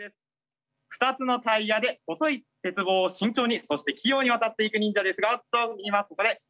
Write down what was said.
２つのタイヤで細い鉄棒を慎重にそして器用に渡っていく忍者ですがあっと